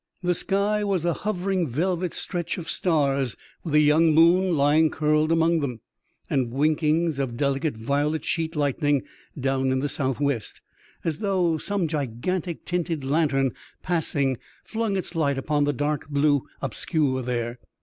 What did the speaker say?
The sky was a hovering velvet stretch of stars, with a young moon lying curled among them, and winkings of delicate violet sheet lightning down in the south west, as though some gigantic tinted lantern, passing, flung its light upon the dark blue obscure there.